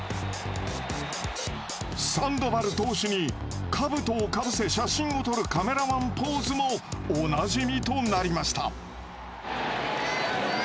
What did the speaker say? サンドバル投手にかぶとをかぶせ写真を撮るカメラマンポーズもおなじみとなりました。